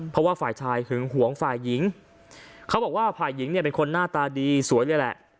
เพราะว่าฝ่ายชายหึงหวงฝ่ายหญิงเขาบอกว่าฝ่ายหญิงเนี่ยเป็นคนหน้าตาดีสวยเลยแหละ